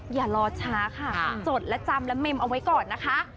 อย่ารอช้าค่ะจดและจำและเมมเอาไว้ก่อนนะคะ